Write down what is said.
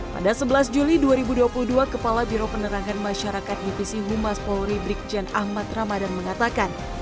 pada sebelas juli dua ribu dua puluh dua kepala biro penerangan masyarakat divisi humas polri brikjen ahmad ramadan mengatakan